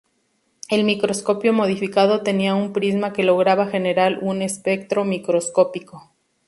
El microscopio modificado tenía un prisma que lograba generar un espectro microscópico.